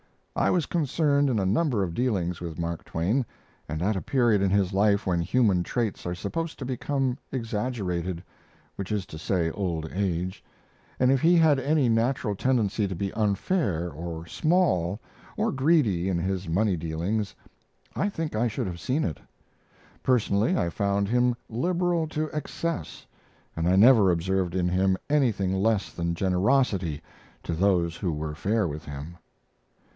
I was concerned in a number of dealings with Mark Twain, and at a period in his life when human traits are supposed to become exaggerated, which is to say old age, and if he had any natural tendency to be unfair, or small, or greedy in his money dealings I think I should have seen it. Personally, I found him liberal to excess, and I never observed in him anything less than generosity to those who were fair with him.